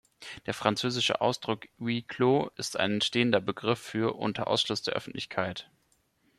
Der französische Ausdruck „huis clos“ ist ein stehender Begriff für „unter Ausschluss der Öffentlichkeit“.